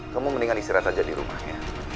kamu mendingan istirahat saja di rumahnya